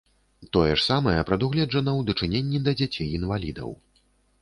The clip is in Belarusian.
Тое ж самае прадугледжана ў дачыненні да дзяцей-інвалідаў.